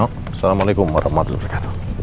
assalamualaikum warahmatullahi wabarakatuh